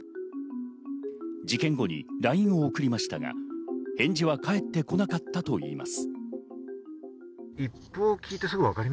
事件後にＬＩＮＥを送りましたが返事は返ってこなかったといいます。